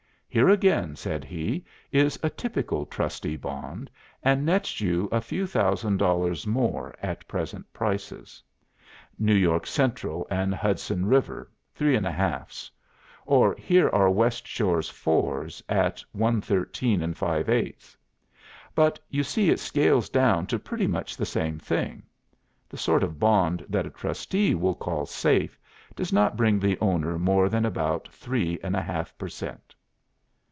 'Here again,' said he, 'is a typical trustee bond, and nets you a few thousand dollars more at present prices. New York Central and Hudson River 3 1 2's. Or here are West Shore 4's at 113 5 8. But you see it scales down to pretty much the same thing. The sort of bond that a trustee will call safe does not bring the owner more than about three and one half per cent.